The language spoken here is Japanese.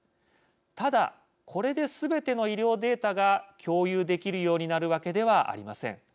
ただ、これですべての医療データが共有できるようになるわけではありません。